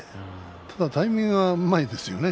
ただタイミングがうまいですよね。